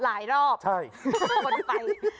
หลายรอบใช่คนไป